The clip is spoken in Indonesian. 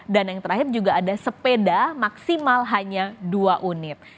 dan yang terakhir juga ada sepeda maksimal hanya dua unit